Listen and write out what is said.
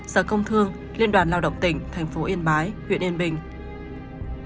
sở công thương liên đoàn lao động tỉnh thành phố yên bái huyện yên bình